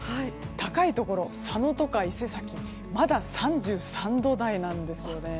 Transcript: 高いところ、佐野とか伊勢崎まだ３３度台なんですよね。